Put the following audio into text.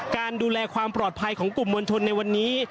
การดูแลความปลอดภัยของกลุ่มมวลชนในวันนี้